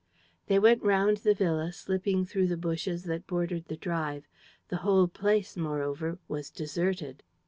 They went round the villa, slipping through the bushes that bordered the drive. The whole place, moreover, was deserted.